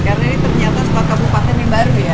karena ini ternyata sebuah kabupaten yang baru ya